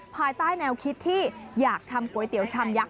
ภายใต้แนวคิดที่อยากทำก๋วยเตี๋ยวชามยักษ